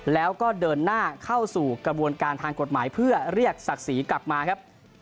แล้วก็เดินหน้าเข้าสู่กระบวนการทางกฎหมายเพื่อเรียกศักดิ์ศรีกลับมาครับ